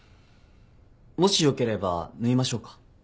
もしよければ縫いましょうか？